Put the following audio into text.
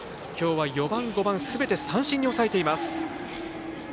きょうは４番、５番すべて三振に抑えています。